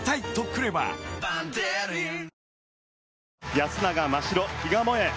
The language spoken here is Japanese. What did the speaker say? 安永真白、比嘉もえ。